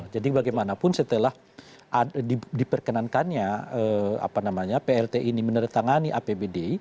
jadi bagaimanapun setelah diperkenankannya plt ini meneretangani apbd